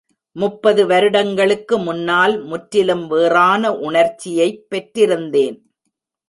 முப்பது வருடங்களுக்கு முன்னால் முற்றிலும் வேறான உணர்ச்சியை பெற்றிருந்தேன்.